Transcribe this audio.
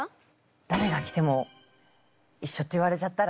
だれが着ても一緒って言われちゃったらな。